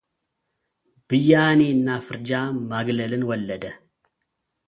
ብያኔና ፍረጃ ማግለልን ወለደ።